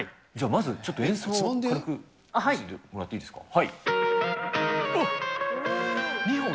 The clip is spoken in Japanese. まずちょっと演奏を軽く見せてもらっていいですか。